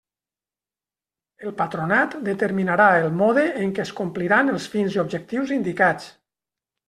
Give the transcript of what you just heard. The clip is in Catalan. El Patronat determinarà el mode en què es compliran els fins i objectius indicats.